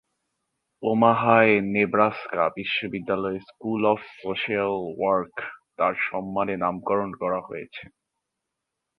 ওমাহায় Nebraska বিশ্ববিদ্যালয়ে school of social work তার সম্মানে নামকরণ করা হয়েছে।